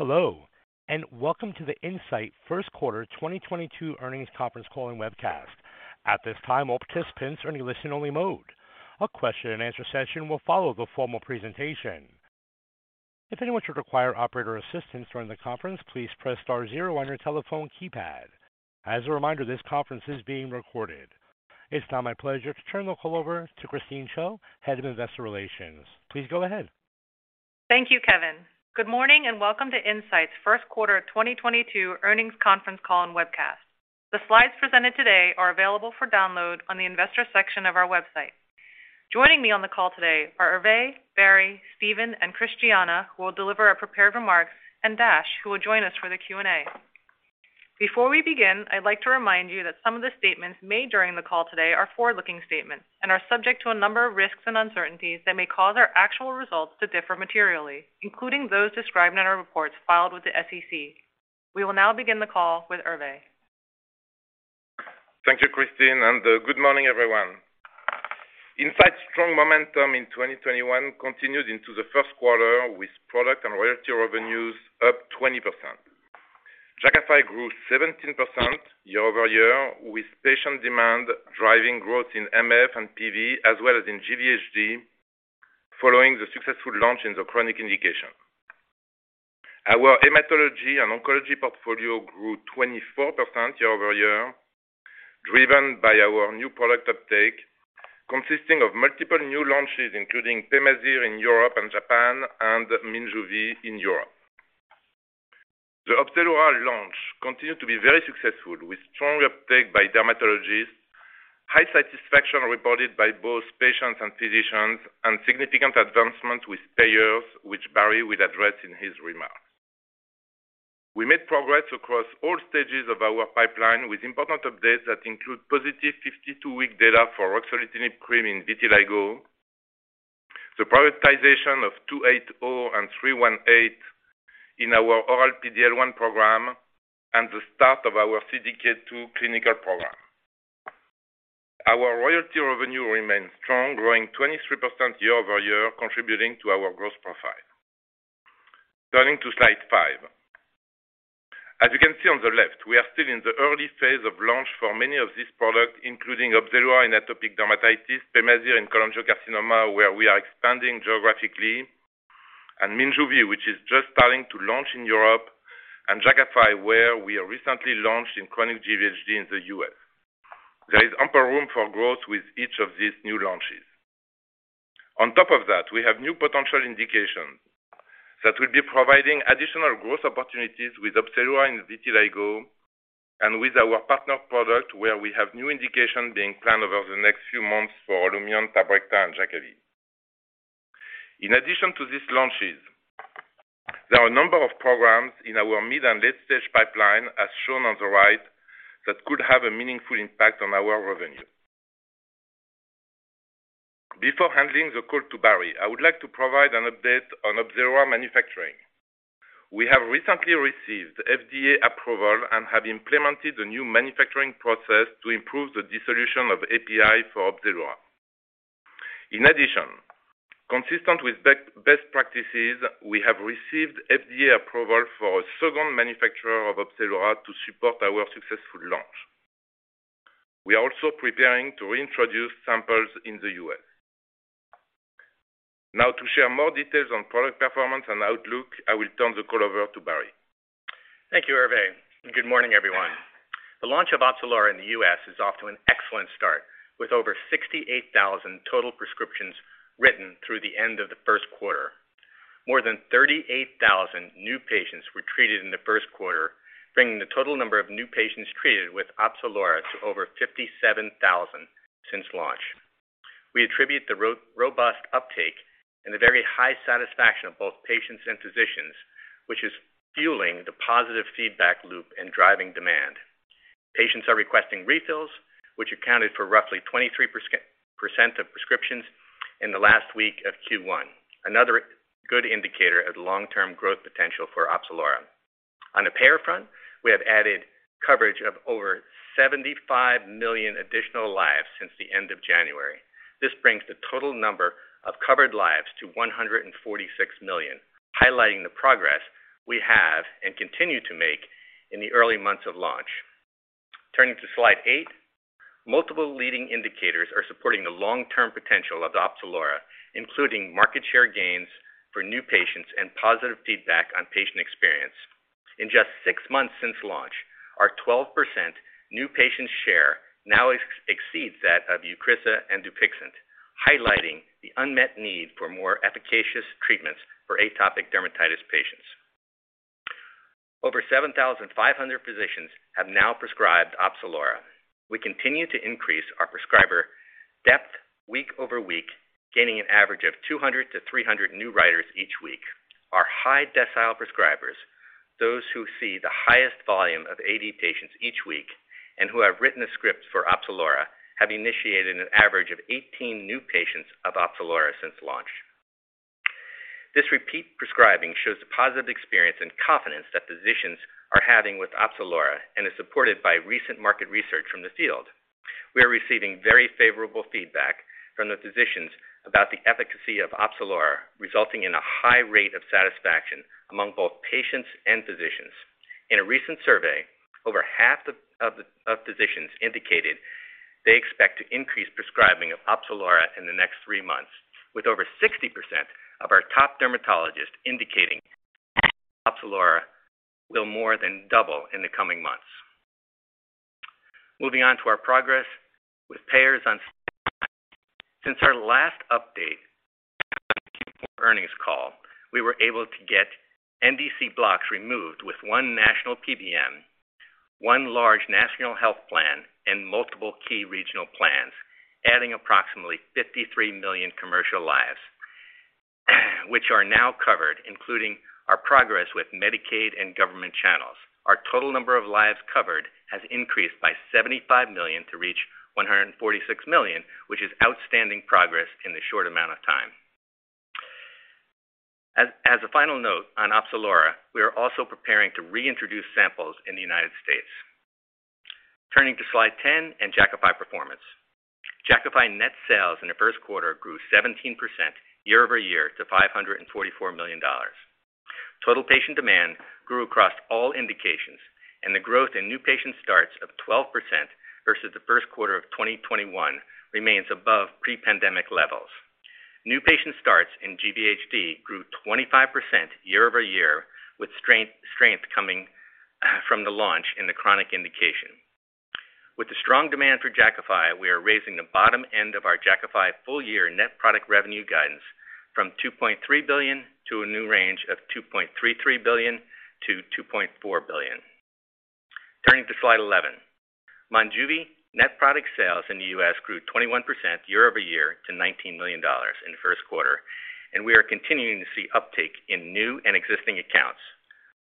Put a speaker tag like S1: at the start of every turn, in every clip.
S1: Hello, and welcome to the Incyte Q1 2022 Earnings Conference Call and Webcast. At this time, all participants are in a listen-only mode. A question and answer session will follow the formal presentation. If anyone should require operator assistance during the conference, please press star zero on your telephone keypad. As a reminder, this conference is being recorded. It's now my pleasure to turn the call over to Christine Chiou, Head of Investor Relations. Please go ahead.
S2: Thank you, Kevin. Good morning and welcome to Incyte's Q1 2022 earnings conference call and webcast. The slides presented today are available for download on the investors section of our website. Joining me on the call today are Hervé, Barry, Steven, and Christiana, who will deliver our prepared remarks, and Dash, who will join us for the Q&A. Before we begin, I'd like to remind you that some of the statements made during the call today are forward-looking statements and are subject to a number of risks and uncertainties that may cause our actual results to differ materially, including those described in our reports filed with the SEC. We will now begin the call with Hervé.
S3: Thank you, Christine, and good morning, everyone. Incyte's strong momentum in 2021 continued into the Q1 with product and royalty revenues up 20%. Jakafi grew 17% year-over-year with patient demand driving growth in MF and PV as well as in GVHD following the successful launch in the chronic indication. Our hematology and oncology portfolio grew 24% year-over-year, driven by our new product uptake consisting of multiple new launches, including Pemazyre in Europe and Japan and Minjuvi in Europe. The Opzelura launch continued to be very successful with strong uptake by dermatologists, high satisfaction reported by both patients and physicians, and significant advancement with payers, which Barry will address in his remarks. We made progress across all stages of our pipeline with important updates that include positive 52-week data for ruxolitinib cream in vitiligo, the prioritization of 280 and 318 in our oral PD-L1 program, and the start of our CDK2 clinical program. Our royalty revenue remains strong, growing 23% year-over-year, contributing to our growth profile. Turning to slide five. As you can see on the left, we are still in the early phase of launch for many of these products, including Opzelura in atopic dermatitis, Pemazyre in cholangiocarcinoma, where we are expanding geographically, and Minjuvi, which is just starting to launch in Europe, and Jakafi, where we recently launched in chronic GVHD in the U.S. There is ample room for growth with each of these new launches. On top of that, we have new potential indications that will be providing additional growth opportunities with Opzelura in vitiligo and with our partner product where we have new indication being planned over the next few months for Olumiant, Tabrecta, and Jakafi. In addition to these launches, there are a number of programs in our mid and late-stage pipeline, as shown on the right, that could have a meaningful impact on our revenue. Before handing the call to Barry, I would like to provide an update on Opzelura manufacturing. We have recently received FDA approval and have implemented a new manufacturing process to improve the dissolution of API for Opzelura. In addition, consistent with best practices, we have received FDA approval for a second manufacturer of Opzelura to support our successful launch. We are also preparing to reintroduce samples in the U.S. Now to share more details on product performance and outlook, I will turn the call over to Barry.
S4: Thank you, Hervé, and good morning, everyone. The launch of Opzelura in the U.S. is off to an excellent start with over 68,000 total prescriptions written through the end of the Q1 More than 38,000 new patients were treated in the Q1, bringing the total number of new patients treated with Opzelura to over 57,000 since launch. We attribute the robust uptake and the very high satisfaction of both patients and physicians, which is fueling the positive feedback loop and driving demand. Patients are requesting refills, which accounted for roughly 23% of prescriptions in the last week of Q1. Another good indicator of long-term growth potential for Opzelura. On the payer front, we have added coverage of over 75 million additional lives since the end of January. This brings the total number of covered lives to 146 million, highlighting the progress we have and continue to make in the early months of launch. Turning to slide eight. Multiple leading indicators are supporting the long-term potential of Opzelura, including market share gains for new patients and positive feedback on patient experience. In just six months since launch, our 12% new patient share now exceeds that of Eucrisa and Dupixent, highlighting the unmet need for more efficacious treatments for atopic dermatitis patients. Over 7,500 physicians have now prescribed Opzelura. We continue to increase our prescriber depth week-over-week, gaining an average of 200-300 new writers each week. Our high decile prescribers, those who see the highest volume of AD patients each week and who have written a script for Opzelura, have initiated an average of 18 new patients on Opzelura since launch. This repeat prescribing shows the positive experience and confidence that physicians are having with Opzelura and is supported by recent market research from the field. We are receiving very favorable feedback from the physicians about the efficacy of Opzelura, resulting in a high rate of satisfaction among both patients and physicians. In a recent survey, over half of physicians indicated they expect to increase prescribing of Opzelura in the next three months, with over 60% of our top dermatologists indicating Opzelura will more than double in the coming months. Moving on to our progress with payers on. Since our last update on the Q4 earnings call, we were able to get NDC blocks removed with one national PBM, one large national health plan, and multiple key regional plans, adding approximately 53 million commercial lives, which are now covered, including our progress with Medicaid and government channels. Our total number of lives covered has increased by 75 million to reach 146 million, which is outstanding progress in this short amount of time. As a final note on Opzelura, we are also preparing to reintroduce samples in the United States. Turning to Slide 10 and Jakafi performance. Jakafi net sales in the first quarter grew 17% year-over-year to $544 million. Total patient demand grew across all indications, and the growth in new patient starts of 12% versus the Q1 of 2021 remains above pre-pandemic levels. New patient starts in GVHD grew 25% year-over-year, with strength coming from the launch in the chronic indication. With the strong demand for Jakafi, we are raising the bottom end of our Jakafi full year net product revenue guidance from $2.3 billion to a new range of $2.33 billion-$2.4 billion. Turning to Slide 11. Monjuvi net product sales in the U.S. grew 21% year-over-year to $19 million in fQ1, and we are continuing to see uptake in new and existing accounts.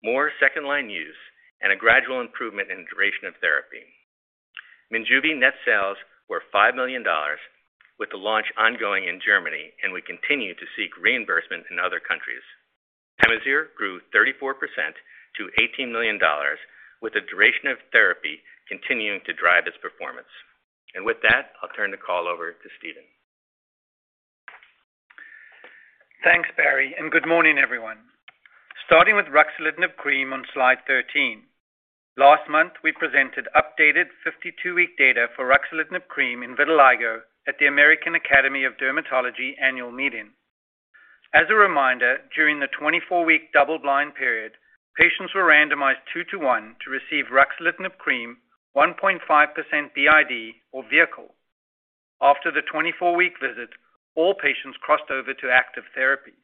S4: More second line use and a gradual improvement in duration of therapy. Monjuvi net sales were $5 million, with the launch ongoing in Germany, and we continue to seek reimbursement in other countries. Pemazyre grew 34% to $18 million, with the duration of therapy continuing to drive its performance. With that, I'll turn the call over to Steven.
S5: Thanks, Barry, and good morning, everyone. Starting with ruxolitinib cream on Slide 13. Last month, we presented updated 52-week data for ruxolitinib cream in vitiligo at the American Academy of Dermatology annual meeting. As a reminder, during the 24-week double-blind period, patients were randomized 2 to 1 to receive ruxolitinib cream 1.5% BID or vehicle. After the 24-week visit, all patients crossed over to active therapy.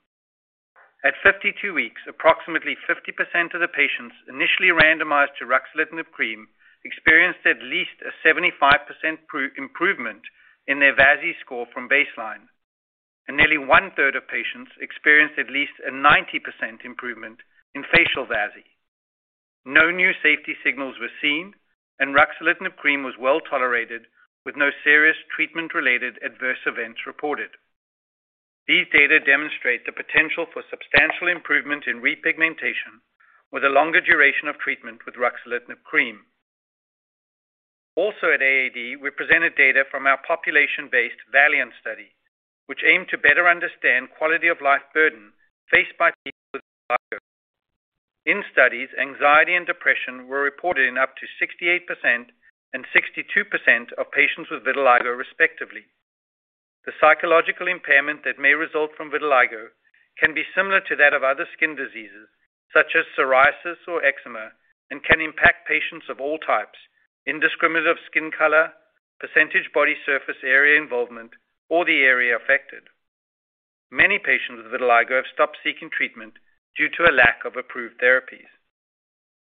S5: At 52 weeks, approximately 50% of the patients initially randomized to ruxolitinib cream experienced at least a 75% F-VASI improvement in their F-VASI score from baseline, and nearly one-third of patients experienced at least a 90% improvement in facial F-VASI. No new safety signals were seen, and ruxolitinib cream was well-tolerated with no serious treatment-related adverse events reported. These data demonstrate the potential for substantial improvement in repigmentation with a longer duration of treatment with ruxolitinib cream. Also at AAD, we presented data from our population-based Valiant study, which aimed to better understand quality of life burden faced by people with vitiligo. In studies, anxiety and depression were reported in up to 68% and 62% of patients with vitiligo, respectively. The psychological impairment that may result from vitiligo can be similar to that of other skin diseases, such as psoriasis or eczema, and can impact patients of all types, indiscriminate of skin color, percentage body surface area involvement, or the area affected. Many patients with vitiligo have stopped seeking treatment due to a lack of approved therapies.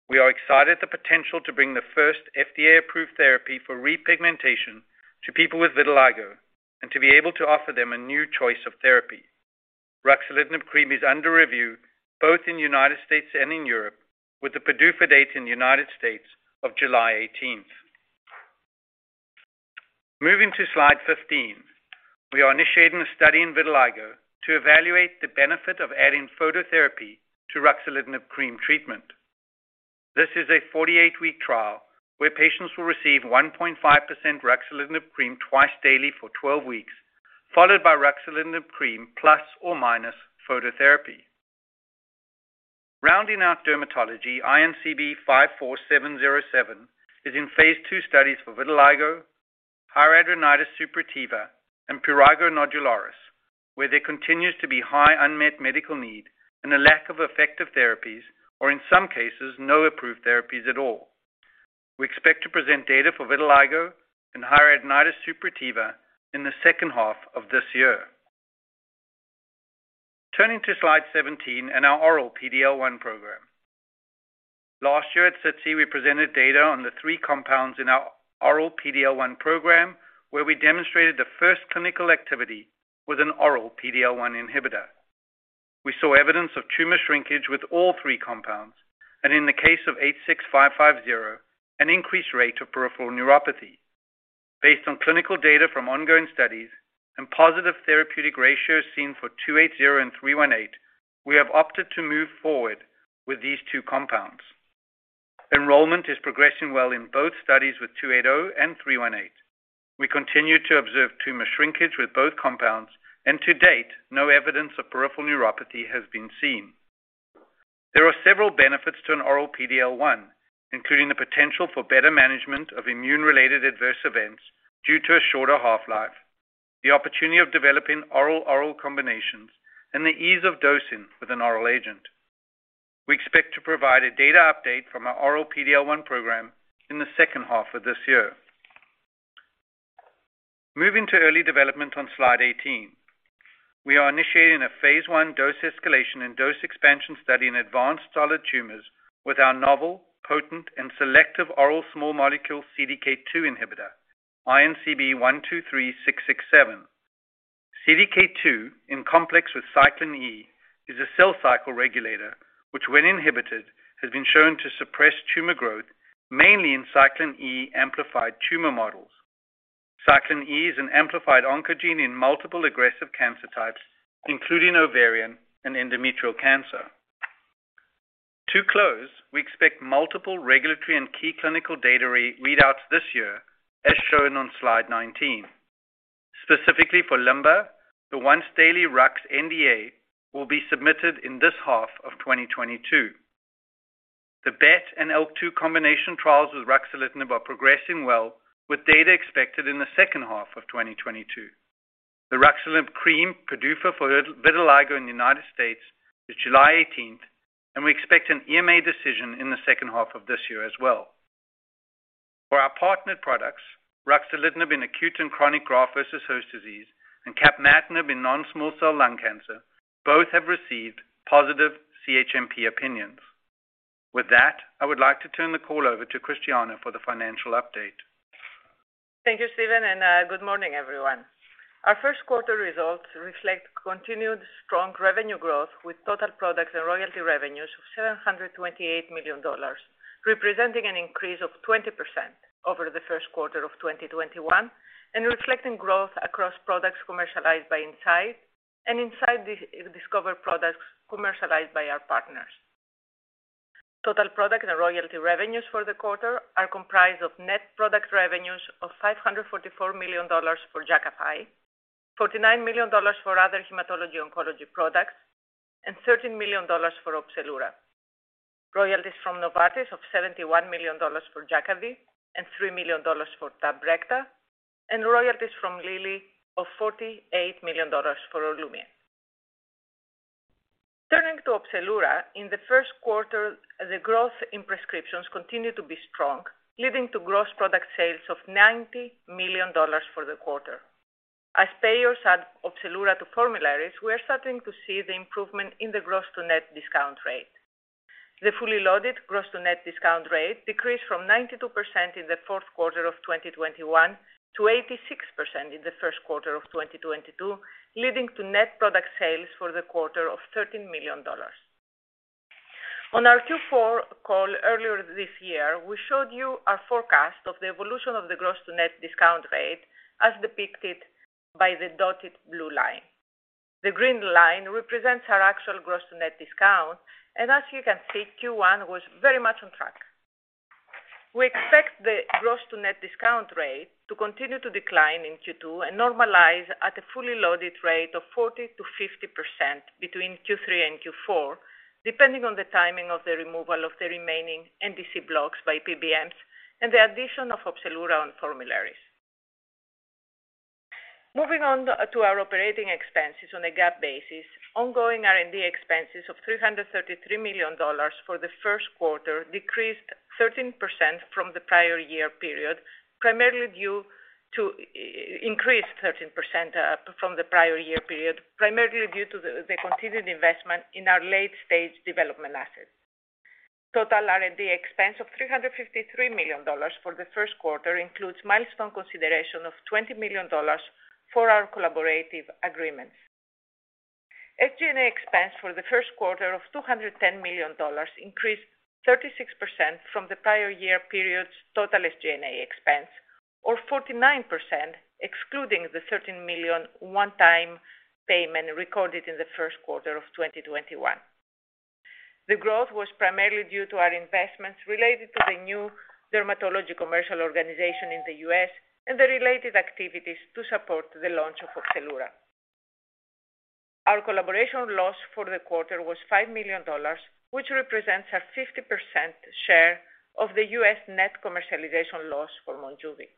S5: We are excited at the potential to bring the first FDA-approved therapy for repigmentation to people with vitiligo and to be able to offer them a new choice of therapy. Ruxolitinib cream is under review both in the United States and in Europe, with the PDUFA date in the United States of 18 July. Moving to Slide 15. We are initiating a study in vitiligo to evaluate the benefit of adding phototherapy to ruxolitinib cream treatment. This is a 48-week trial where patients will receive 1.5% ruxolitinib cream twice daily for 12 weeks, followed by ruxolitinib cream plus or minus phototherapy. Rounding out dermatology, INCB54707 is in phase 2 studies for vitiligo, hidradenitis suppurativa, and prurigo nodularis, where there continues to be high unmet medical need and a lack of effective therapies, or in some cases, no approved therapies at all. We expect to present data for vitiligo and hidradenitis suppurativa in the second half of this year. Turning to Slide 17 and our oral PD-L1 program. Last year at SITC, we presented data on the three compounds in our oral PD-L1 program, where we demonstrated the first clinical activity with an oral PD-L1 inhibitor. We saw evidence of tumor shrinkage with all three compounds, and in the case of INCB086550, an increased rate of peripheral neuropathy. Based on clinical data from ongoing studies and positive therapeutic ratios seen for INCB99280 and INCB99318, we have opted to move forward with these two compounds. Enrollment is progressing well in both studies with INCB99280 and INCB99318. We continue to observe tumor shrinkage with both compounds, and to date, no evidence of peripheral neuropathy has been seen. There are several benefits to an oral PD-L1, including the potential for better management of immune-related adverse events due to a shorter half-life, the opportunity of developing oral-oral combinations, and the ease of dosing with an oral agent. We expect to provide a data update from our oral PD-L1 program in the second half of this year. Moving to early development on slide 18. We are initiating a phase I dose escalation and dose expansion study in advanced solid tumors with our novel, potent, and selective oral small molecule CDK2 inhibitor, INCB123667. CDK2 in complex with cyclin E is a cell cycle regulator, which when inhibited, has been shown to suppress tumor growth, mainly in cyclin E amplified tumor models. Cyclin E is an amplified oncogene in multiple aggressive cancer types, including ovarian and endometrial cancer. To close, we expect multiple regulatory and key clinical data readouts this year, as shown on slide 19. Specifically for lymphoma, the once-daily Rux NDA will be submitted in this half of 2022. The BET and ALK2 combination trials with ruxolitinib are progressing well with data expected in the second half of 2022. The Opzelura PDUFA for vitiligo in the United States is 18 July, and we expect an EMA decision in the second half of this year as well. For our partnered products, ruxolitinib in acute and chronic graft-versus-host disease and capmatinib in non-small cell lung cancer, both have received positive CHMP opinions. With that, I would like to turn the call over to Christiana for the financial update.
S6: Thank you, Steven, and good morning, everyone. Our Q1 results reflect continued strong revenue growth with total products and royalty revenues of $728 million, representing an increase of 20% over the Q1 of 2021, and reflecting growth across products commercialized by Incyte and Incyte-discovered products commercialized by our partners. Total product and royalty revenues for the quarter are comprised of net product revenues of $544 million for Jakafi, $49 million for other hematology oncology products, and $13 million for Opzelura. Royalties from Novartis of $71 million for Jakavi and $3 million for Tabrecta, and royalties from Lilly of $48 million for Olumiant. Turning to Opzelura, in the Q1, the growth in prescriptions continued to be strong, leading to gross product sales of $90 million for the quarter. As payers add Opzelura to formularies, we are starting to see the improvement in the gross to net discount rate. The fully loaded gross to net discount rate decreased from 92% in the Q4 of 2021 to 86% in the Q1 of 2022, leading to net product sales for the quarter of $13 million. On our Q4 call earlier this year, we showed you a forecast of the evolution of the gross to net discount rate, as depicted by the dotted blue line. The green line represents our actual gross to net discount, and as you can see, Q1 was very much on track. We expect the gross to net discount rate to continue to decline in Q2 and normalize at a fully loaded rate of 40%-50% between Q3 and Q4, depending on the timing of the removal of the remaining NDC blocks by PBMs and the addition of Opzelura on formularies. Moving on to our operating expenses on a GAAP basis, ongoing R&D expenses of $333 million for the Q1 decreased 13% from the prior year period, primarily due to the continued investment in our late-stage development assets. Total R&D expense of $353 million for the Q1 includes milestone consideration of $20 million for our collaborative agreements. SG&A expense for the Q1 of $210 million increased 36% from the prior year period's total SG&A expense or 49% excluding the $13 million one-time payment recorded in the Q1 of 2021. The growth was primarily due to our investments related to the new dermatology commercial organization in the U.S. and the related activities to support the launch of Opzelura. Our collaboration loss for the quarter was $5 million, which represents a 50% share of the U.S. net commercialization loss for Monjuvi.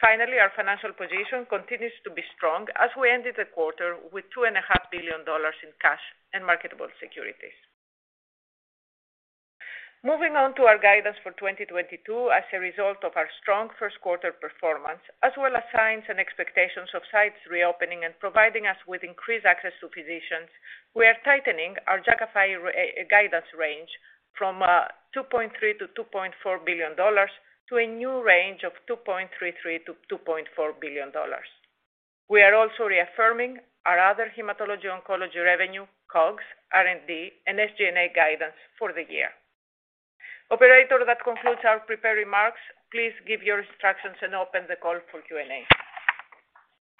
S6: Finally, our financial position continues to be strong as we ended the quarter with $2.5 billion in cash and marketable securities. Moving on to our guidance for 2022 as a result of our strong Q1 performance, as well as signs and expectations of sites reopening and providing us with increased access to physicians, we are tightening our Jakafi guidance range from $2.3 billion-$2.4 billion to a new range of $2.33 billion-$2.4 billion. We are also reaffirming our other hematology oncology revenue, COGS, R&D, and SG&A guidance for the year. Operator, that concludes our prepared remarks. Please give your instructions and open the call for Q&A.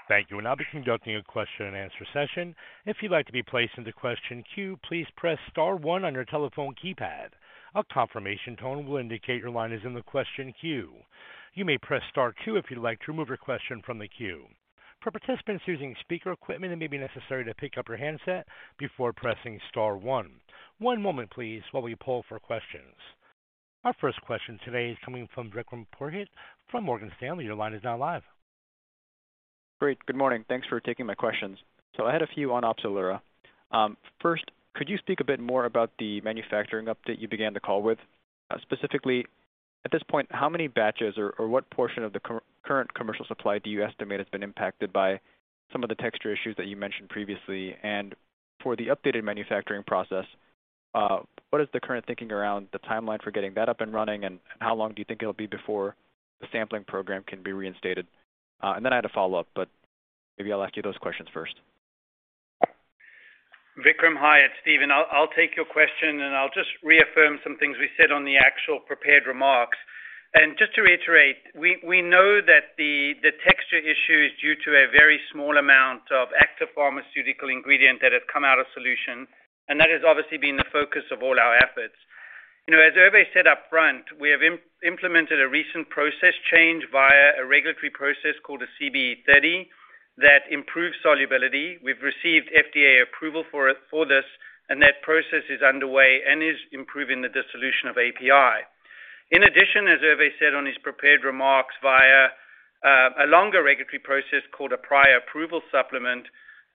S1: Thank you. We'll now be conducting a question-and-answer session. If you'd like to be placed in the question queue, please press star one on your telephone keypad. A confirmation tone will indicate your line is in the question queue. You may press star two if you'd like to remove your question from the queue. For participants using speaker equipment, it may be necessary to pick up your handset before pressing star one. One moment please while we poll for questions. Our first question today is coming from Vikram Purohit from Morgan Stanley. Your line is now live.
S7: Great. Good morning. Thanks for taking my questions. I had a few on Opzelura. First, could you speak a bit more about the manufacturing update you began the call with? Specifically, at this point, how many batches or what portion of the current commercial supply do you estimate has been impacted by some of the texture issues that you mentioned previously? And for the updated manufacturing process, what is the current thinking around the timeline for getting that up and running? And how long do you think it'll be before the sampling program can be reinstated? And then I had a follow-up, but maybe I'll ask you those questions first.
S5: Vikram, hi, it's Steven. I'll take your question, and I'll just reaffirm some things we said on the actual prepared remarks. Just to reiterate, we know that the texture issue is due to a very small amount of active pharmaceutical ingredient that has come out of solution, and that has obviously been the focus of all our efforts. You know, as Hervé said up front, we have implemented a recent process change via a regulatory process called a CBE-30 that improves solubility. We've received FDA approval for this, and that process is underway and is improving the dissolution of API. In addition, as Hervé said on his prepared remarks via a longer regulatory process called a Prior Approval Supplement,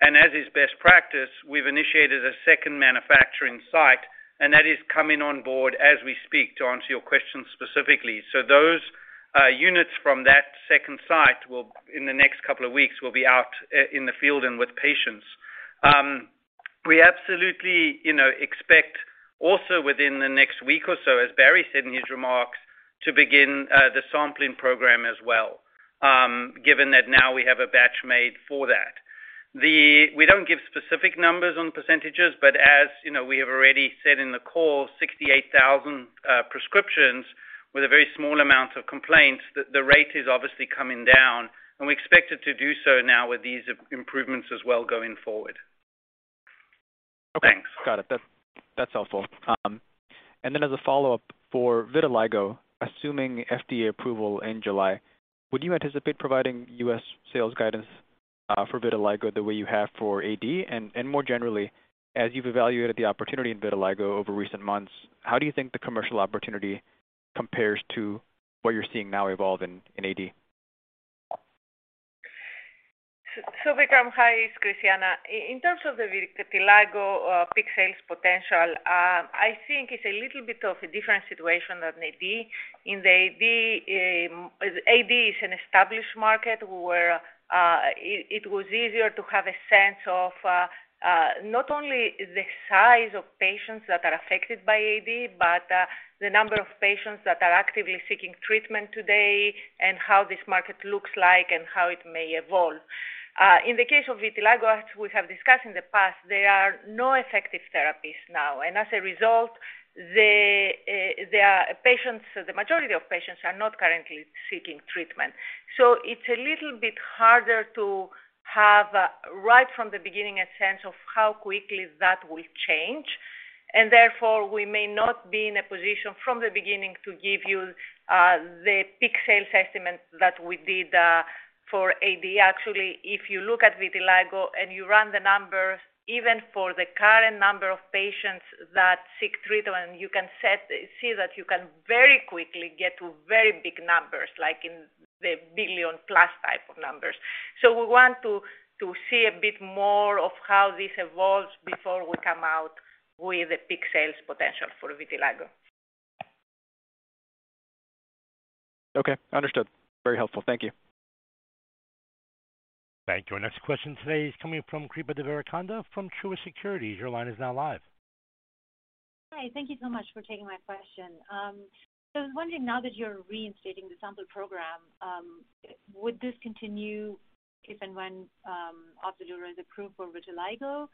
S5: and as is best practice, we've initiated a second manufacturing site, and that is coming on board as we speak to answer your question specifically. Those units from that second site will, in the next couple of weeks, be out in the field and with patients. We absolutely, you know, expect also within the next week or so, as Barry said in his remarks, to begin the sampling program as well, given that now we have a batch made for that. We don't give specific numbers on percentages, but as you know, we have already said in the call, 68,000 prescriptions with a very small amount of complaints, the rate is obviously coming down, and we expect it to do so now with these improvements as well going forward.
S7: Okay.
S5: Thanks.
S7: Got it. That's helpful. And then as a follow-up, for vitiligo, assuming FDA approval in July, would you anticipate providing U.S. sales guidance for vitiligo the way you have for AD? And more generally, as you've evaluated the opportunity in vitiligo over recent months, how do you think the commercial opportunity compares to what you're seeing now evolve in AD?
S6: Vikram, hi, it's Christiana. In terms of the vitiligo, peak sales potential, I think it's a little bit of a different situation than AD. In the AD is an established market where it was easier to have a sense of not only the size of patients that are affected by AD, but the number of patients that are actively seeking treatment today and how this market looks like and how it may evolve. In the case of vitiligo, as we have discussed in the past, there are no effective therapies now, and as a result, the patients, the majority of patients are not currently seeking treatment. It's a little bit harder to have, right from the beginning, a sense of how quickly that will change. Therefore, we may not be in a position from the beginning to give you the peak sales estimate that we did for AD. Actually, if you look at vitiligo and you run the numbers, even for the current number of patients that seek treatment, you can see that you can very quickly get to very big numbers, like in the billion-plus type of numbers. We want to see a bit more of how this evolves before we come out with a peak sales potential for vitiligo.
S7: Okay. Understood. Very helpful. Thank you.
S1: Thank you. Our next question today is coming from Srikripa Devarakonda from Truist Securities. Your line is now live.
S8: Hi. Thank you so much for taking my question. I was wondering, now that you're reinstating the sample program, would this continue if and when Opzelura is approved for vitiligo,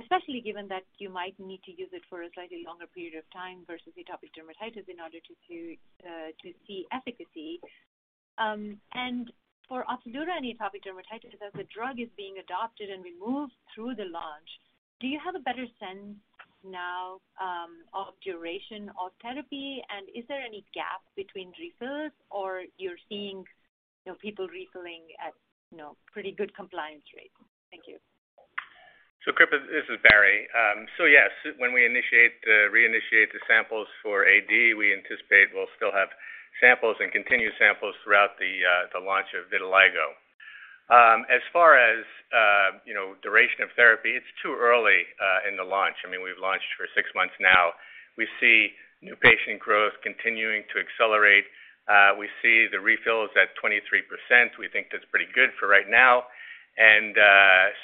S8: especially given that you might need to use it for a slightly longer period of time versus atopic dermatitis in order to see efficacy? For Opzelura and atopic dermatitis, as the drug is being adopted and we move through the launch, do you have a better sense now of duration of therapy? Is there any gap between refills or you're seeing, you know, people refilling at, you know, pretty good compliance rates? Thank you.
S4: Kripa, this is Barry. Yes, when we initiate, reinitiate the samples for AD, we anticipate we'll still have samples and continue samples throughout the launch of vitiligo. As far as, you know, duration of therapy, it's too early in the launch. I mean, we've launched for six months now. We see new patient growth continuing to accelerate. We see the refills at 23%. We think that's pretty good for right now. As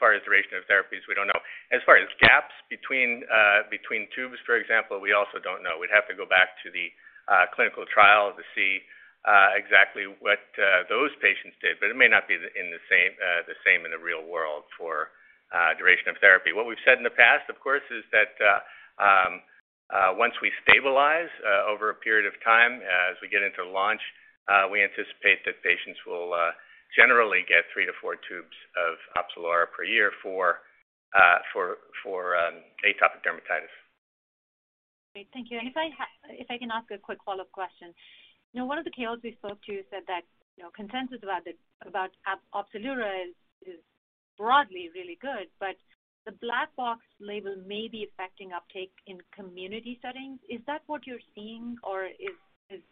S4: far as duration of therapies, we don't know. As far as gaps between between tubes, for example, we also don't know. We'd have to go back to the clinical trial to see exactly what those patients did, but it may not be the same in the real world for duration of therapy. What we've said in the past, of course, is that. Once we stabilize over a period of time as we get into launch, we anticipate that patients will generally get three to four tubes of Opzelura per year for atopic dermatitis.
S8: Great. Thank you. If I can ask a quick follow-up question. You know, one of the KOLs we spoke to said that, you know, consensus about Opzelura is broadly really good, but the black box label may be affecting uptake in community settings. Is that what you're seeing or is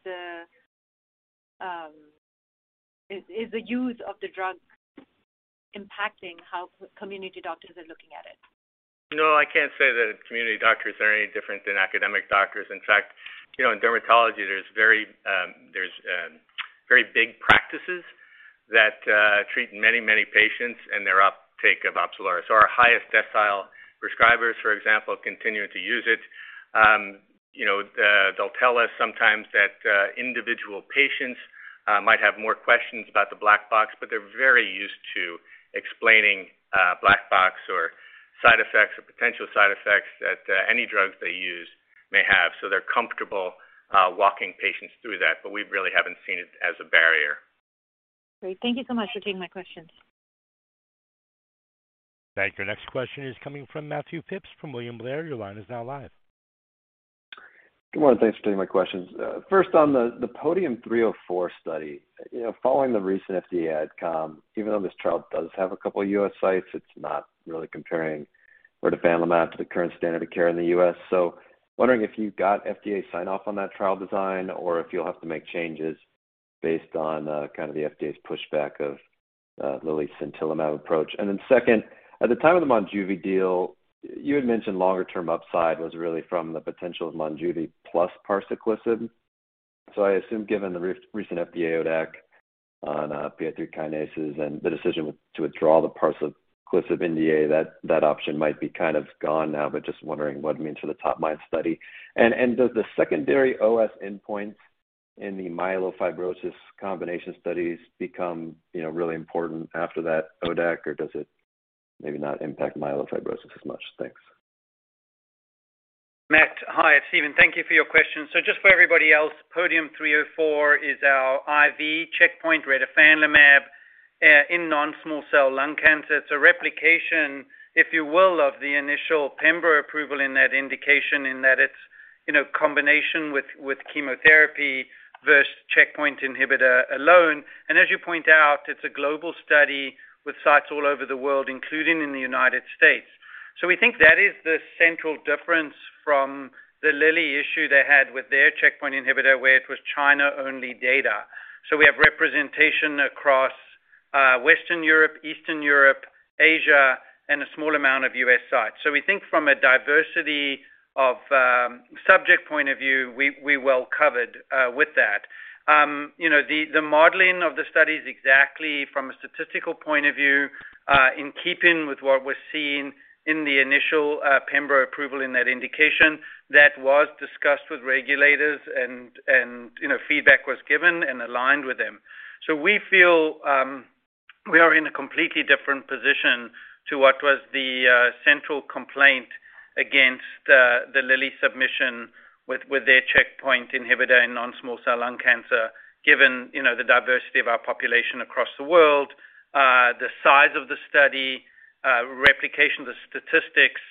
S8: the use of the drug impacting how community doctors are looking at it?
S4: No, I can't say that community doctors are any different than academic doctors. In fact, you know, in dermatology, there's very big practices that treat many patients and their uptake of Opzelura. So our highest decile prescribers, for example, continue to use it. You know, they'll tell us sometimes that individual patients might have more questions about the black box, but they're very used to explaining black box or side effects or potential side effects that any drugs they use may have. So they're comfortable walking patients through that, but we really haven't seen it as a barrier.
S8: Great. Thank you so much for taking my questions.
S1: Thank you. Next question is coming from Matt Phipps from William Blair. Your line is now live.
S9: Good morning. Thanks for taking my questions. First on the POD1UM-304 study. You know, following the recent FDA adcom, even though this trial does have a couple U.S. Sites, it's not really comparing retifanlimab to the current standard of care in the U.S. Wondering if you got FDA sign-off on that trial design or if you'll have to make changes based on kind of the FDA's pushback of Lilly's sintilimab approach. Second, at the time of the Monjuvi deal, you had mentioned longer term upside was really from the potential of Monjuvi plus parsaclisib. I assume given the recent FDA ODAC on PI3K and the decision to withdraw the parsaclisib NDA, that option might be kind of gone now, but just wondering what it means for the topMIND study. Does the secondary OS endpoint in the myelofibrosis combination studies become, you know, really important after that ODAC, or does it maybe not impact myelofibrosis as much? Thanks.
S5: Matt. Hi, it's Steven. Thank you for your question. Just for everybody else, POD1UM-304 is our IV checkpoint inhibitor retifanlimab in non-small cell lung cancer. It's a replication, if you will, of the initial Pembro approval in that indication in that it's combination with chemotherapy versus checkpoint inhibitor alone. As you point out, it's a global study with sites all over the world, including in the United States. We think that is the central difference from the Lilly issue they had with their checkpoint inhibitor, where it was China-only data. We have representation across Western Europe, Eastern Europe, Asia, and a small amount of U.S. sites. We think from a diversity of subject point of view, we well covered with that. You know, the modeling of the study is exactly from a statistical point of view in keeping with what was seen in the initial Pembro approval in that indication that was discussed with regulators and, you know, feedback was given and aligned with them. We feel we are in a completely different position to what was the central complaint against the Lilly submission with their checkpoint inhibitor in non-small cell lung cancer, given, you know, the diversity of our population across the world, the size of the study, replication, the statistics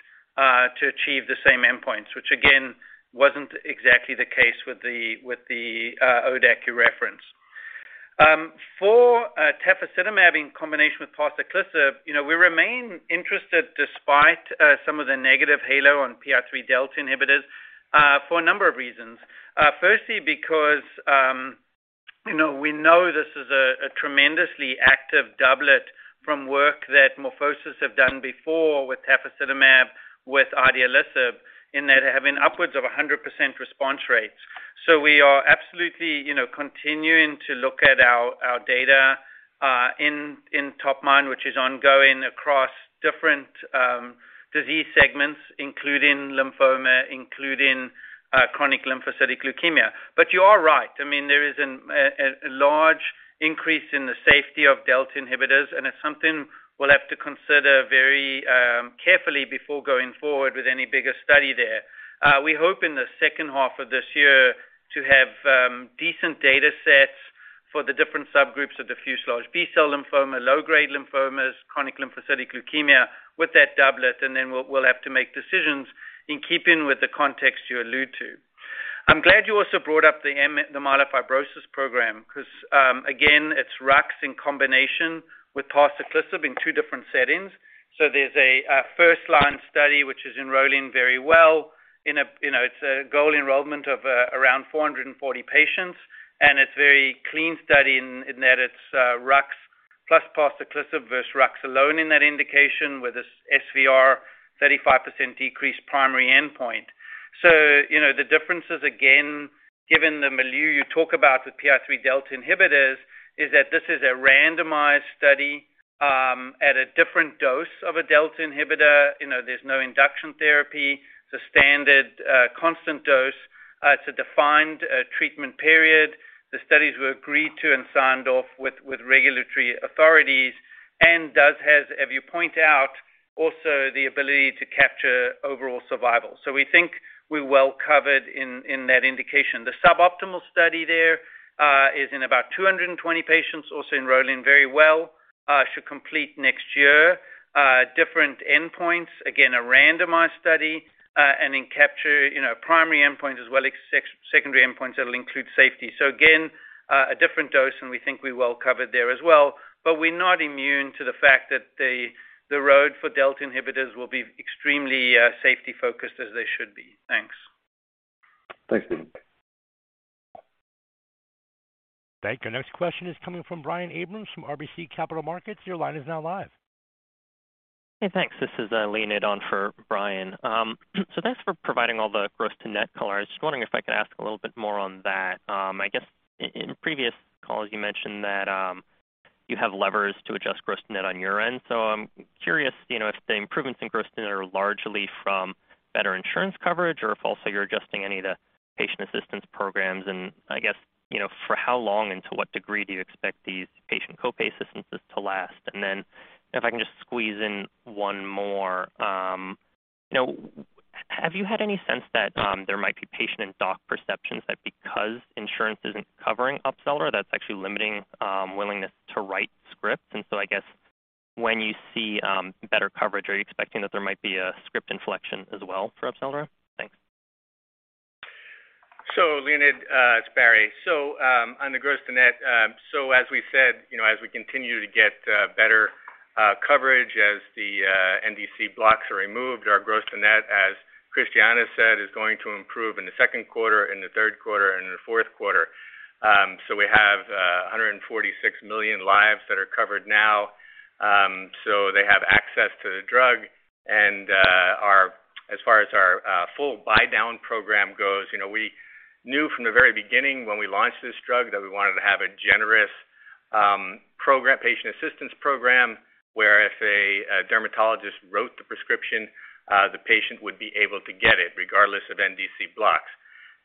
S5: to achieve the same endpoints, which again, wasn't exactly the case with the ODAC you referenced. For tafasitamab in combination with parsaclisib, you know, we remain interested despite some of the negative halo on PI3Kδ inhibitors for a number of reasons. Firstly because, you know, we know this is a tremendously active doublet from work that MorphoSys have done before with tafasitamab, with idelalisib, in that having upwards of 100% response rates. We are absolutely, you know, continuing to look at our data in topMIND, which is ongoing across different disease segments, including lymphoma, including chronic lymphocytic leukemia. You are right. I mean, there is a large increase in the safety of PI3Kδ inhibitors, and it's something we'll have to consider very carefully before going forward with any bigger study there. We hope in the second half of this year to have decent data sets for the different subgroups of diffuse large B-cell lymphoma, low-grade lymphomas, chronic lymphocytic leukemia with that doublet, and then we'll have to make decisions in keeping with the context you allude to. I'm glad you also brought up the myelofibrosis program 'cause again, it's Rux in combination with parsaclisib in two different settings. There's a first-line study which is enrolling very well in, you know, it's a goal enrollment of around 440 patients, and it's very clean study in that it's Rux plus parsaclisib versus Rux alone in that indication with this SVR 35% decreased primary endpoint. You know, the differences again given the milieu you talk about with PI3K delta inhibitors is that this is a randomized study at a different dose of a delta inhibitor. You know, there's no induction therapy. It's a standard, constant dose. It's a defined treatment period. The studies were agreed to and signed off with regulatory authorities and does have, as you point out, also the ability to capture overall survival. We think we're well covered in that indication. The suboptimal study there is in about 220 patients, also enrolling very well, should complete next year. Different endpoints, again, a randomized study, and then capture, you know, primary endpoints as well as secondary endpoints that'll include safety. Again, a different dose, and we think we're well covered there as well. We're not immune to the fact that the road for delta inhibitors will be extremely safety-focused as they should be. Thanks.
S9: Thanks, Steven.
S1: Thank you. Our next question is coming from Brian Abrahams from RBC Capital Markets. Your line is now live.
S10: Hey, thanks. This is Leonid on for Brian. Thanks for providing all the gross-to-net color. I was just wondering if I could ask a little bit more on that. I guess in previous calls, you mentioned that you have levers to adjust gross-to-net on your end. I'm curious, you know, if the improvements in gross-to-net are largely from better insurance coverage or if also you're adjusting any of the patient assistance programs. I guess, you know, for how long and to what degree do you expect these patient co-pay assistance to last? If I can just squeeze in one more. You know, have you had any sense that there might be patient and doc perceptions that because insurance isn't covering Opzelura, that's actually limiting willingness to write scripts? I guess when you see better coverage, are you expecting that there might be a script inflection as well for Opzelura? Thanks.
S4: Leonid, it's Barry. On the gross to net. As we said, you know, as we continue to get better coverage, as the NDC blocks are removed, our gross to net, as Christiana said, is going to improve in the Q2, in the Q3, and in the Q4. We have 146 million lives that are covered now. They have access to the drug. As far as our full buy-down program goes, you know, we knew from the very beginning when we launched this drug that we wanted to have a generous program, patient assistance program, where if a dermatologist wrote the prescription, the patient would be able to get it regardless of NDC blocks.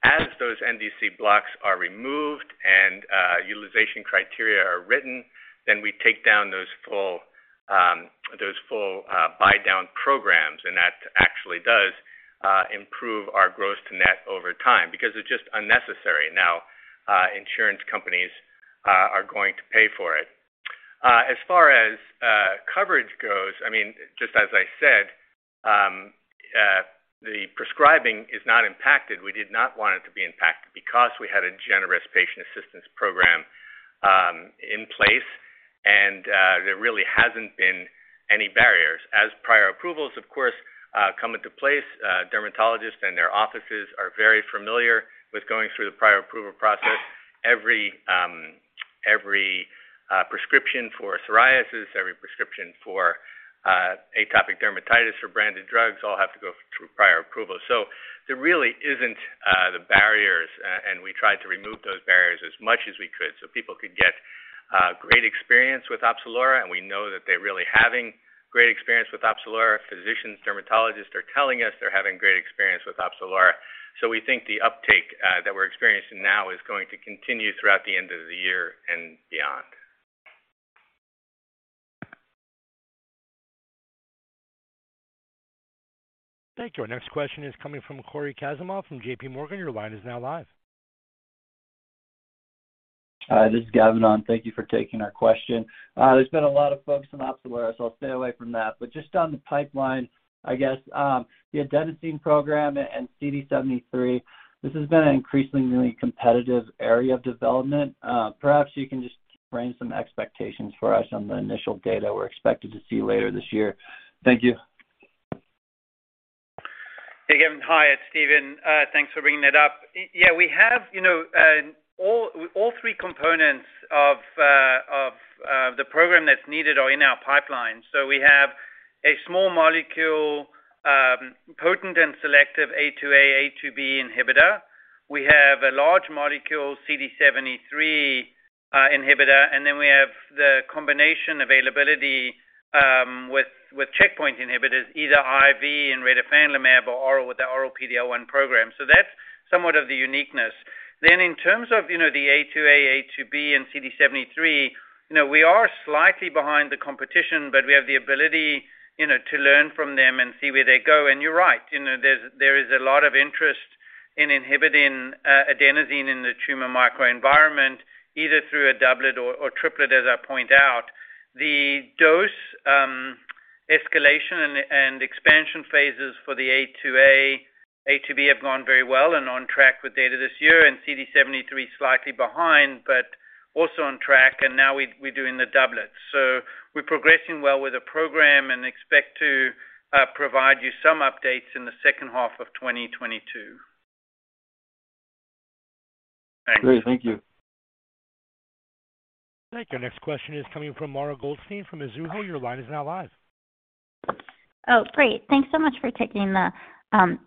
S4: As those NDC blocks are removed and utilization criteria are written, then we take down those full buy-down programs. That actually does improve our gross to net over time because it's just unnecessary. Now insurance companies are going to pay for it. As far as coverage goes, I mean, just as I said, the prescribing is not impacted. We did not want it to be impacted because we had a generous patient assistance program in place, and there really hasn't been any barriers. As prior approvals, of course, come into place, dermatologists and their offices are very familiar with going through the prior approval process. Every prescription for psoriasis, every prescription for atopic dermatitis for branded drugs all have to go through prior approval. There really isn't the barriers, and we tried to remove those barriers as much as we could so people could get great experience with Opzelura. We know that they're really having great experience with Opzelura. Physicians, dermatologists are telling us they're having great experience with Opzelura. We think the uptake that we're experiencing now is going to continue throughout the end of the year and beyond.
S1: Thank you. Our next question is coming from Cory Kasimov from JPMorgan. Your line is now live.
S11: Hi, this is Gavin on. Thank you for taking our question. There's been a lot of focus on Opzelura, so I'll stay away from that. Just on the pipeline, I guess, the adenosine program and CD73, this has been an increasingly competitive area of development. Perhaps you can just frame some expectations for us on the initial data we're expected to see later this year. Thank you.
S5: Hey, Gavin. Hi, it's Steven. Thanks for bringing that up. Yeah, we have, you know, all three components of the program that's needed are in our pipeline. We have a small molecule, potent and selective A2A/A2B inhibitor. We have a large molecule CD73 inhibitor, and then we have the combination availability, with checkpoint inhibitors, either IV retifanlimab or oral with the oral PD-L1 program. That's somewhat of the uniqueness. Then in terms of, you know, the A2A/A2B and CD73, you know, we are slightly behind the competition, but we have the ability, you know, to learn from them and see where they go. You're right, you know, there is a lot of interest in inhibiting adenosine in the tumor microenvironment, either through a doublet or triplet, as I point out. The dose escalation and expansion phases for the A2A/A2B have gone very well and on track with data this year and CD73 slightly behind, but also on track. Now we're doing the doublets. We're progressing well with the program and expect to provide you some updates in the second half of 2022.
S11: Thanks. Great. Thank you.
S1: All right, your next question is coming from Mara Goldstein from Mizuho. Your line is now live.
S12: Oh, great. Thanks so much for taking the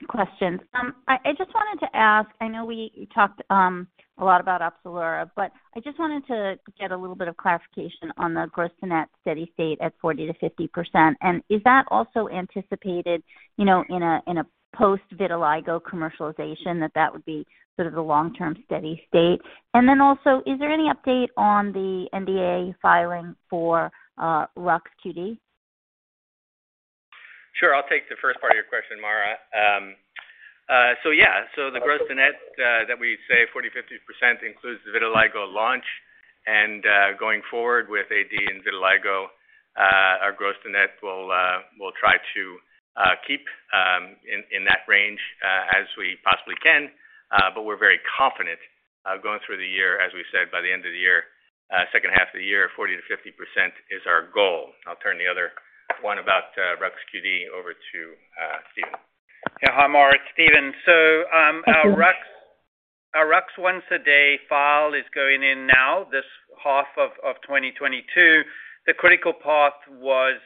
S12: questions. I just wanted to ask. I know we talked a lot about Opzelura, but I just wanted to get a little bit of clarification on the gross to net steady state at 40%-50%. Is that also anticipated, you know, in a post-vitiligo commercialization that that would be sort of the long-term steady state? Is there any update on the NDA filing for Rux QD?
S4: Sure. I'll take the first part of your question, Mara. The gross to net that we say 40%-50% includes the vitiligo launch. Going forward with AD and vitiligo, our gross to net will try to keep in that range as we possibly can. We're very confident going through the year, as we've said, by the end of the year, second half of the year, 40%-50% is our goal. I'll turn the other one about RUX QD over to Steven.
S5: Hi, Mara. It's Steven. Our RUX once a day file is going in now, this half of 2022. The critical path was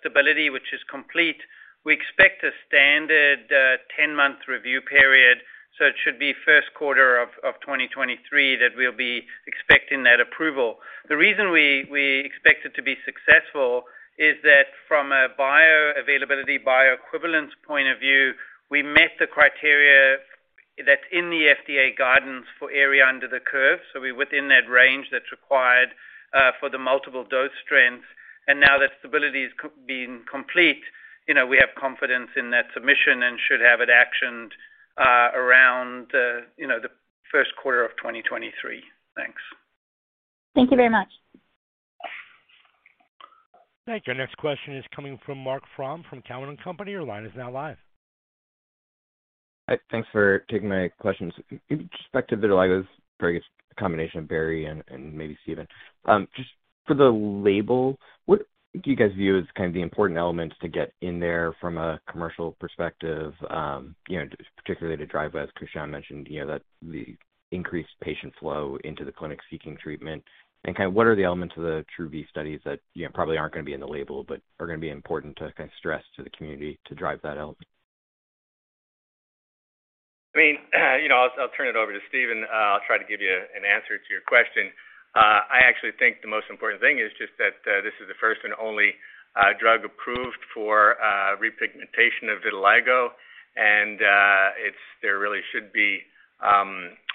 S5: stability, which is complete. We expect a standard 10-month review period, so it should be Q1 of 2023 that we'll be expecting that approval. The reason we expect it to be successful is that from a bioavailability, bioequivalence point of view, we met the criteria that's in the FDA guidance for area under the curve, so we're within that range that's required for the multiple dose strengths. Now that stability is complete, you know, we have confidence in that submission and should have it actioned around the Q1 of 2023. Thanks.
S12: Thank you very much.
S1: Thank you. Our next question is coming from Marc Frahm from Cowen and Company. Your line is now live.
S13: Thanks for taking my questions. In respect to vitiligo, for I guess the combination of Barry and maybe Steven. Just for the label, what do you guys view as kind of the important elements to get in there from a commercial perspective, you know, particularly to drive, as Christiana mentioned, you know, that the increased patient flow into the clinic seeking treatment? What are the elements of the TRuE-V studies that, you know, probably aren't gonna be in the label but are gonna be important to kind of stress to the community to drive that out?
S4: I mean, you know, I'll turn it over to Steven. I'll try to give you an answer to your question. I actually think the most important thing is just that this is the first and only drug approved for repigmentation of vitiligo. It's there really should be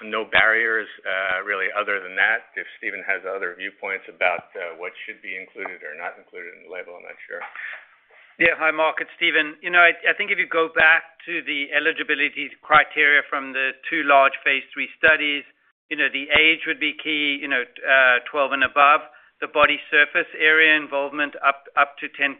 S4: no barriers really other than that. If Steven has other viewpoints about what should be included or not included in the label, I'm not sure.
S5: Yeah. Hi, Marc. It's Steven. You know, I think if you go back to the eligibility criteria from the two large phase III studies, you know, the age would be key, you know, 12 and above, the body surface area involvement up to 10%.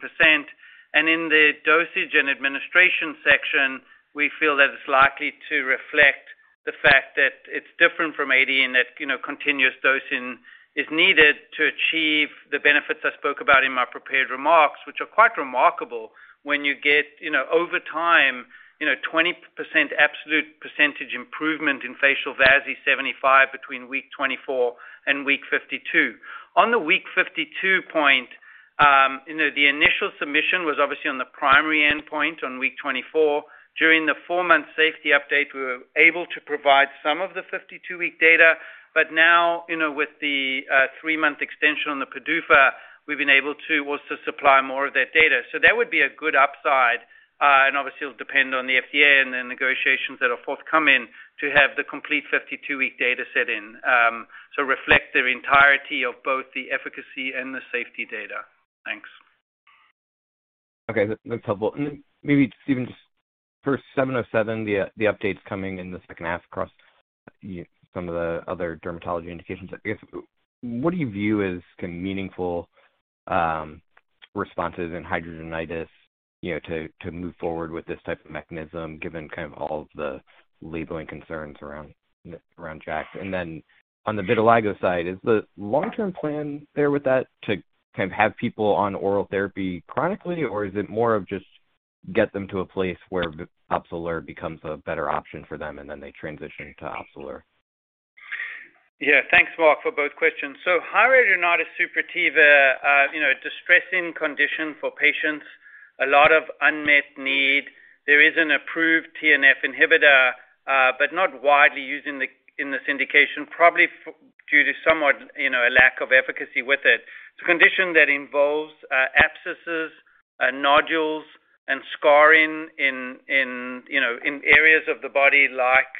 S5: In the dosage and administration section, we feel that it's likely to reflect the fact that it's different from AD and that, you know, continuous dosing is needed to achieve the benefits I spoke about in my prepared remarks, which are quite remarkable when you get, you know, over time, you know, 20% absolute percentage improvement in F-VASI75 between week 24 and week 52. On the week 52 point, you know, the initial submission was obviously on the primary endpoint on week 24. During the four-month safety update, we were able to provide some of the 52-week data. Now, you know, with the three-month extension on the PDUFA, we've been able to also supply more of that data. That would be a good upside, and obviously it'll depend on the FDA and the negotiations that are forthcoming to have the complete 52-week data set in. Reflect the entirety of both the efficacy and the safety data. Thanks.
S13: Okay. That's helpful. Then maybe, Steven, just for INCB54707, the updates coming in the second half across some of the other dermatology indications. I guess, what do you view as kind of meaningful responses in hidradenitis, you know, to move forward with this type of mechanism, given all the labeling concerns around JAK. And then on the vitiligo side, is the long-term plan there with that to kind of have people on oral therapy chronically, or is it more of just get them to a place where the Opzelura becomes a better option for them, and then they transition to Opzelura?
S5: Yeah. Thanks, Marc, for both questions. Hidradenitis suppurativa, you know, a distressing condition for patients, a lot of unmet need. There is an approved TNF inhibitor, but not widely used in this indication, probably due to somewhat, you know, a lack of efficacy with it. It's a condition that involves abscesses, nodules, and scarring in, you know, areas of the body like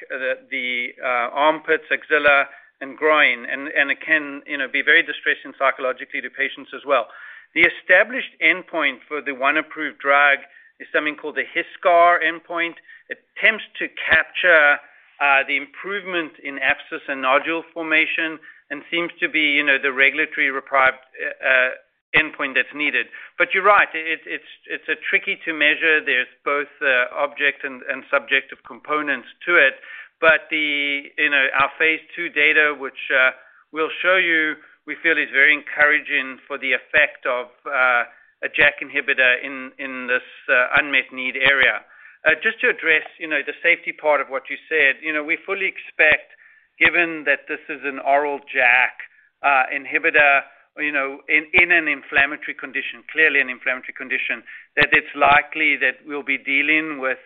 S5: the armpits, axilla, and groin. It can, you know, be very distressing psychologically to patients as well. The established endpoint for the one approved drug is something called the HiSCR endpoint. It attempts to capture the improvement in abscess and nodule formation and seems to be, you know, the regulatory required endpoint that's needed. You're right. It's tricky to measure. There's both object and subjective components to it. In our phase II data, which we'll show you, we feel is very encouraging for the effect of a JAK inhibitor in this unmet need area. Just to address, you know, the safety part of what you said, you know, we fully expect. Given that this is an oral JAK inhibitor, you know, in an inflammatory condition, clearly an inflammatory condition, that it's likely that we'll be dealing with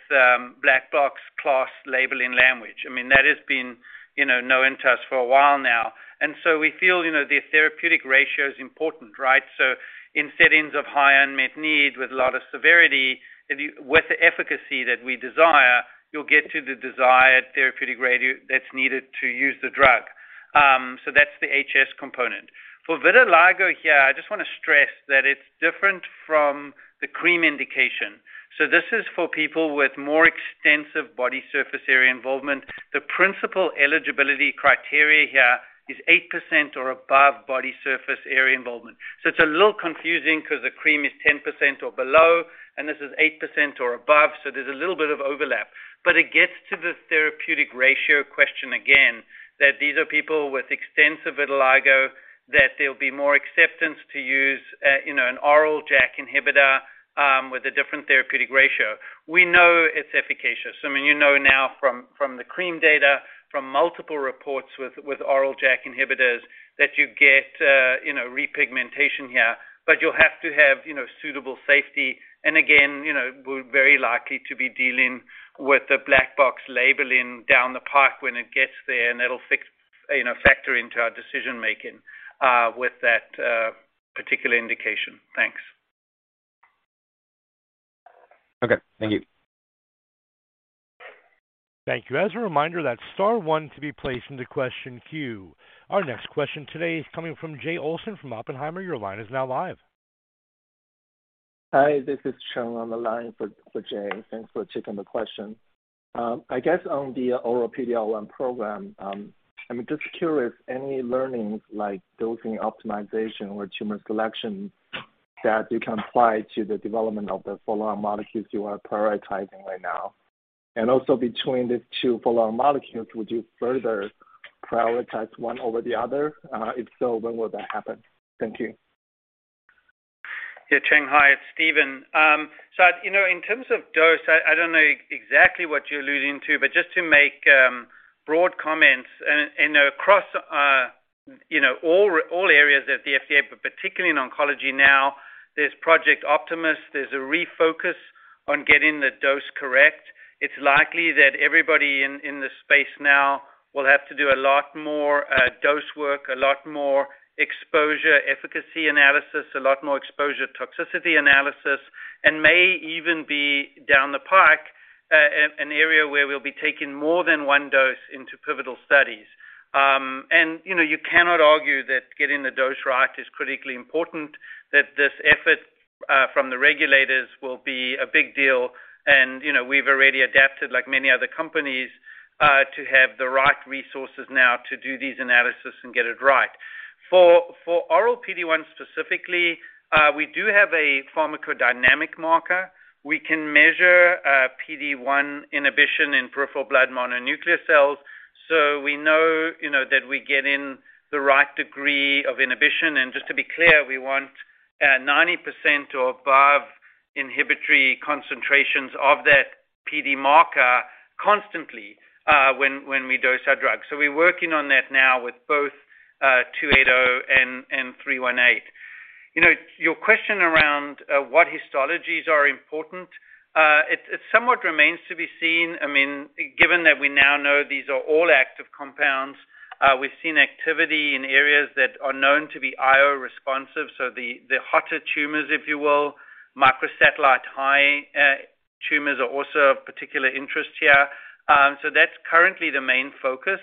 S5: black box class labeling language. I mean, that has been, you know, no secret for a while now. We feel, you know, the therapeutic ratio is important, right? In settings of high unmet need with a lot of severity. With the efficacy that we desire, you'll get to the desired therapeutic ratio that's needed to use the drug. That's the HS component. For vitiligo here, I just wanna stress that it's different from the cream indication. This is for people with more extensive body surface area involvement. The principal eligibility criteria here is 8% or above body surface area involvement. It's a little confusing because the cream is 10% or below, and this is 8% or above, so there's a little bit of overlap. It gets to the therapeutic ratio question again, that these are people with extensive vitiligo, that there'll be more acceptance to use, you know, an oral JAK inhibitor, with a different therapeutic ratio. We know it's efficacious. I mean, you know now from the cream data, from multiple reports with oral JAK inhibitors that you get, you know, repigmentation here, but you'll have to have, you know, suitable safety. Again, you know, we're very likely to be dealing with the black box labeling down the pike when it gets there, and that'll factor into our decision-making with that particular indication. Thanks.
S13: Okay. Thank you.
S1: Thank you. As a reminder, that's star one to be placed in the question queue. Our next question today is coming from Jay Olson from Oppenheimer. Your line is now live.
S14: Hi, this is Cheng on the line for Jay. Thanks for taking the question. I guess on the oral PD-L1 program, I'm just curious, any learnings like dosing optimization or tumor selection that you can apply to the development of the follow-on molecules you are prioritizing right now? And also between the two follow-on molecules, would you further prioritize one over the other? If so, when will that happen? Thank you.
S5: Yeah. Cheng, hi, it's Steven. You know, in terms of dose, I don't know exactly what you're alluding to, but just to make broad comments and across you know all areas at the FDA, but particularly in oncology now, there's Project Optimus. There's a refocus on getting the dose correct. It's likely that everybody in the space now will have to do a lot more dose work, a lot more exposure efficacy analysis, a lot more exposure toxicity analysis, and may even be down the pike an area where we'll be taking more than one dose into pivotal studies. You know, you cannot argue that getting the dose right is critically important, that this effort from the regulators will be a big deal. You know, we've already adapted like many other companies to have the right resources now to do these analyses and get it right. For oral PD-1 specifically, we do have a pharmacodynamic marker. We can measure PD-1 inhibition in peripheral blood mononuclear cells. We know that we're getting the right degree of inhibition. Just to be clear, we want 90% or above inhibitory concentrations of that PD marker constantly when we dose our drugs. We're working on that now with both INCB99280 and INCB99318. You know, your question around what histologies are important, it somewhat remains to be seen. I mean, given that we now know these are all active compounds, we've seen activity in areas that are known to be IO responsive, so the hotter tumors, if you will. Microsatellite high tumors are also of particular interest here. So that's currently the main focus.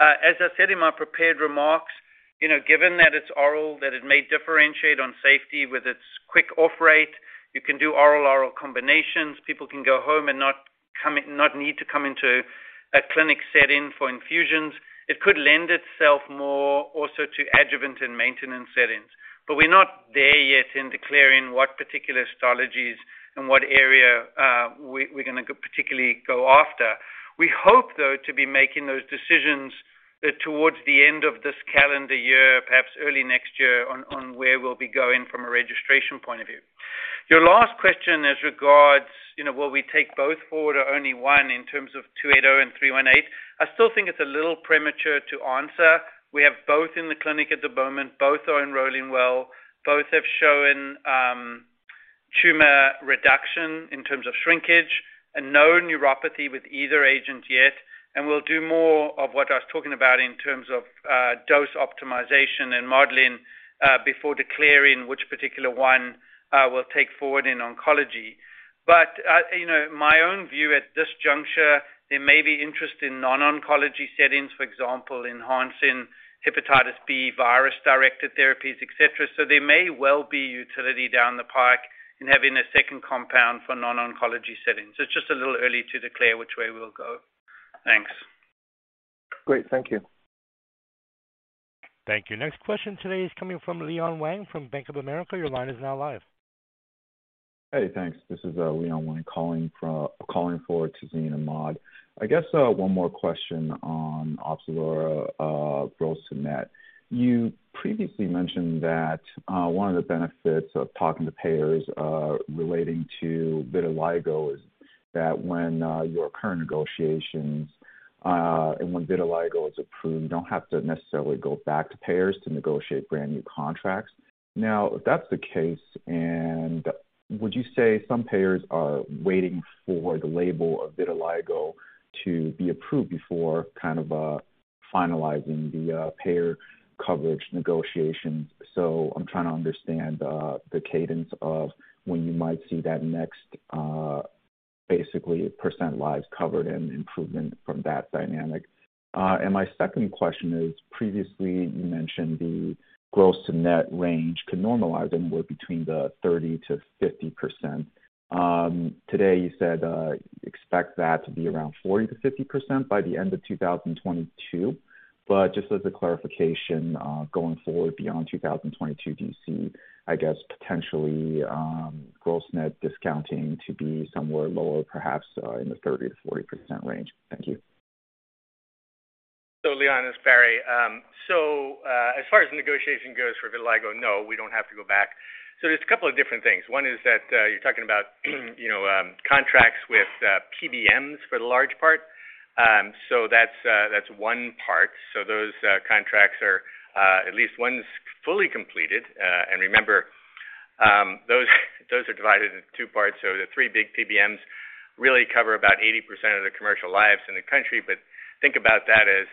S5: As I said in my prepared remarks, you know, given that it's oral, that it may differentiate on safety with its quick off rate, you can do oral combinations. People can go home and not need to come into a clinic setting for infusions. It could lend itself more also to adjuvant and maintenance settings. But we're not there yet in declaring what particular histologies and what area we're gonna go, particularly go after. We hope, though, to be making those decisions towards the end of this calendar year, perhaps early next year on where we'll be going from a registration point of view. Your last question as regards, you know, will we take both forward or only one in terms of INCB99280 and INCB99318? I still think it's a little premature to answer. We have both in the clinic at the moment. Both are enrolling well. Both have shown tumor reduction in terms of shrinkage and no neuropathy with either agent yet. We'll do more of what I was talking about in terms of dose optimization and modeling before declaring which particular one we'll take forward in oncology. You know, my own view at this juncture, there may be interest in non-oncology settings, for example, enhancing hepatitis B virus-directed therapies, et cetera. there may well be utility down the pike in having a second compound for non-oncology settings. It's just a little early to declare which way we'll go. Thanks.
S14: Great. Thank you.
S1: Thank you. Next question today is coming from Leon Wang from Bank of America. Your line is now live.
S15: Hey, thanks. This is Leon Wang calling for Tazeen Ahmad. I guess one more question on Opzelura, gross to net. You previously mentioned that one of the benefits of talking to payers relating to vitiligo is that when your current negotiations and when vitiligo is approved, you don't have to necessarily go back to payers to negotiate brand-new contracts. Now, if that's the case and would you say some payers are waiting for the label of vitiligo to be approved before kind of finalizing the payer coverage negotiations? I'm trying to understand the cadence of when you might see that next, basically percent lives covered and improvement from that dynamic. My second question is previously you mentioned the gross to net range could normalize and we're between the 30%-50%. Today you said, expect that to be around 40%-50% by the end of 2022. Just as a clarification, going forward beyond 2022, do you see, I guess, potentially, gross net discounting to be somewhere lower, perhaps, in the 30%-40% range? Thank you.
S4: Leon, it's Barry. As far as negotiation goes for vitiligo, no, we don't have to go back. There's a couple of different things. One is that, you're talking about, you know, contracts with PBMs for the large part. That's one part. Those contracts are, at least one's fully completed. Remember, those are divided into two parts. The three big PBMs really cover about 80% of the commercial lives in the country. Think about that as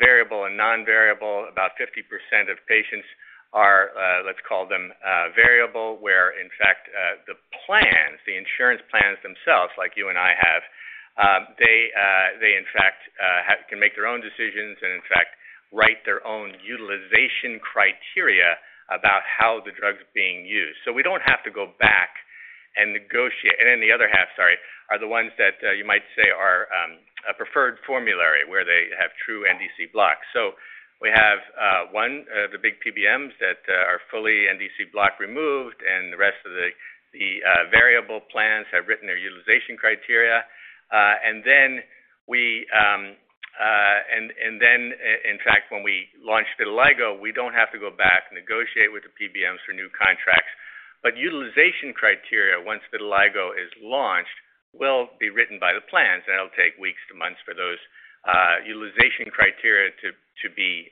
S4: variable and non-variable. About 50% of patients are, let's call them, variable, where in fact, the plans, the insurance plans themselves, like you and I have, they in fact, can make their own decisions and in fact, write their own utilization criteria about how the drug's being used. We don't have to go back and negotiate. The other half are the ones that you might say are a preferred formulary where they have true NDC blocks. We have one, the big PBMs that are fully NDC block removed, and the rest of the variable plans have written their utilization criteria. In fact, when we launch vitiligo, we don't have to go back negotiate with the PBMs for new contracts. Utilization criteria, once vitiligo is launched, will be written by the plans, and it'll take weeks to months for those utilization criteria to be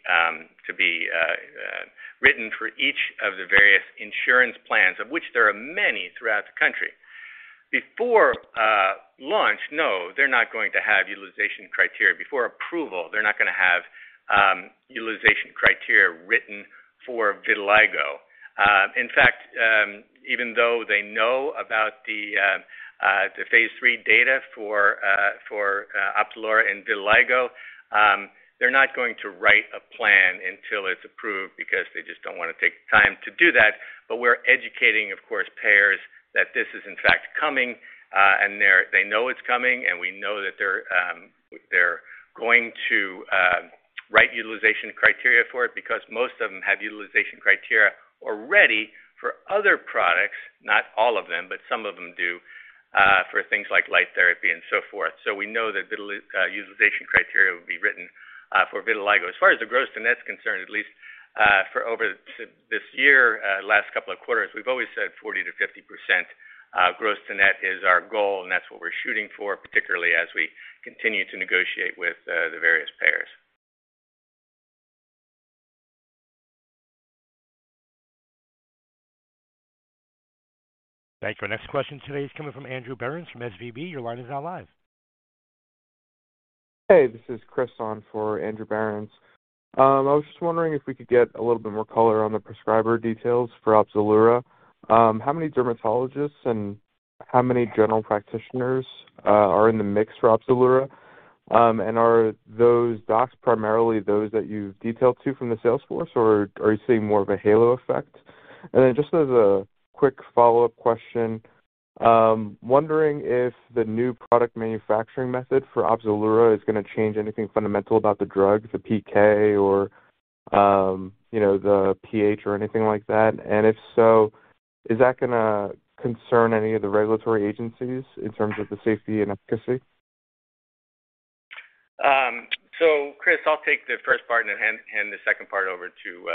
S4: written for each of the various insurance plans, of which there are many throughout the country. Before launch, no, they're not going to have utilization criteria. Before approval, they're not gonna have utilization criteria written for vitiligo. In fact, even though they know about the phase 3 data for Opzelura and vitiligo, they're not going to write a plan until it's approved because they just don't wanna take the time to do that. We're educating, of course, payers that this is in fact coming, and they know it's coming, and we know that they're going to write utilization criteria for it because most of them have utilization criteria already for other products. Not all of them, but some of them do, for things like light therapy and so forth. We know that utilization criteria will be written for vitiligo. As far as the gross to net's concerned, at least for this year, last couple of quarters, we've always said 40%-50% gross to net is our goal, and that's what we're shooting for, particularly as we continue to negotiate with the various payers.
S1: Thank you. Our next question today is coming from Andrew Berens from SVB. Your line is now live.
S16: Hey, this is Chris on for Andrew Berens. I was just wondering if we could get a little bit more color on the prescriber details for Opzelura. How many dermatologists and how many general practitioners are in the mix for Opzelura? Are those docs primarily those that you've detailed to from the sales force or are you seeing more of a halo effect? Just as a quick follow-up question, wondering if the new product manufacturing method for Opzelura is gonna change anything fundamental about the drug, the PK or, you know, the pH or anything like that. If so, is that gonna concern any of the regulatory agencies in terms of the safety and efficacy?
S4: Chris, I'll take the first part and then hand the second part over to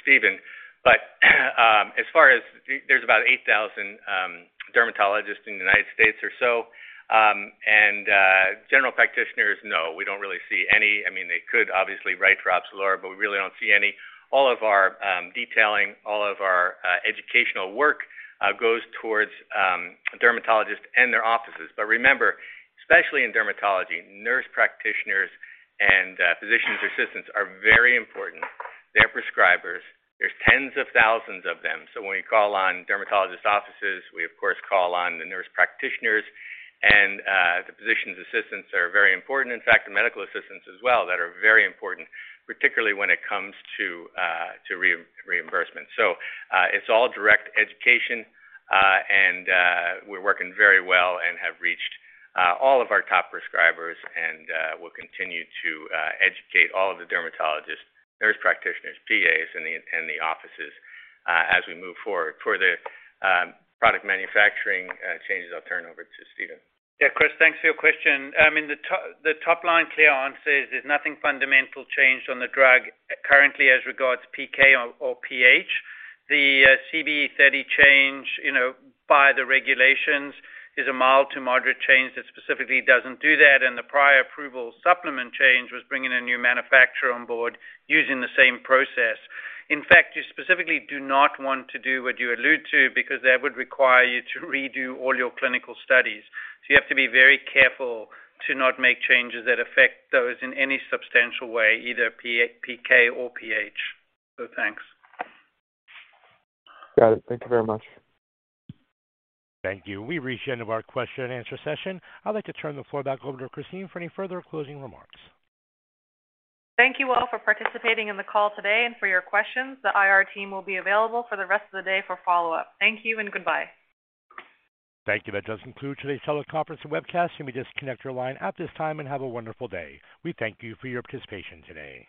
S4: Steven. As far as there's about 8,000 dermatologists in the United States or so. General practitioners, no, we don't really see any. I mean, they could obviously write for Opzelura, but we really don't see any. All of our detailing, all of our educational work goes towards dermatologists and their offices. Remember, especially in dermatology, nurse practitioners and physicians assistants are very important. They're prescribers. There's tens of thousands of them. When we call on dermatologists' offices, we of course call on the nurse practitioners and the physicians assistants are very important. In fact, the medical assistants as well that are very important, particularly when it comes to reimbursements. It's all direct education and we're working very well and have reached all of our top prescribers and we'll continue to educate all of the dermatologists, nurse practitioners, PAs in the offices as we move forward. For the product manufacturing changes, I'll turn over to Steven.
S5: Yeah. Chris, thanks for your question. I mean, the top line clear answer is there's nothing fundamental changed on the drug currently as regards PK or pH. The CBE study change, you know, by the regulations is a mild to moderate change that specifically doesn't do that, and the Prior Approval Supplement change was bringing a new manufacturer on board using the same process. In fact, you specifically do not want to do what you allude to because that would require you to redo all your clinical studies. You have to be very careful to not make changes that affect those in any substantial way, either PK or pH. Thanks.
S16: Got it. Thank you very much.
S1: Thank you. We've reached the end of our question and answer session. I'd like to turn the floor back over to Christine for any further closing remarks.
S2: Thank you all for participating in the call today and for your questions. The IR team will be available for the rest of the day for follow-up. Thank you and goodbye.
S1: Thank you. That does conclude today's teleconference and webcast. You may disconnect your line at this time and have a wonderful day. We thank you for your participation today.